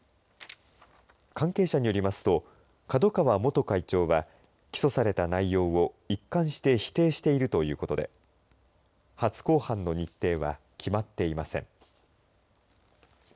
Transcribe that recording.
関係者によりますと角川元会長は起訴された内容を一貫して否定しているということで初公判の日程は決まっていません。